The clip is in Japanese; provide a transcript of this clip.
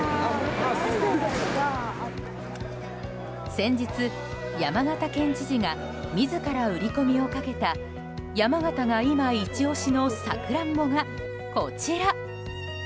先日、山形県知事が自ら売り込みをかけた山形が今イチ押しのサクランボがこちら。